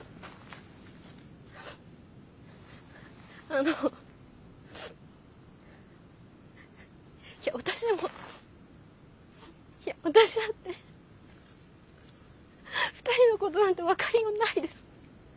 あの私にも私だって２人のことなんて分かりようもないです。